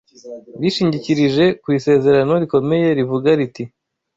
bishingikirije ku isezerano rikomeye rivuga riti: